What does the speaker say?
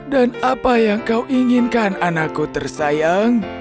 dan apa yang kau inginkan anakku tersayang